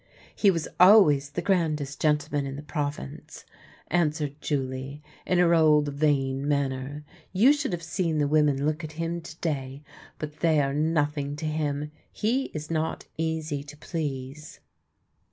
" He was always the grandest gentleman in the province," answered Julie, in her old vain manner. " You should have seen the women look at him to day ! But they are nothing to him — he is not easy to please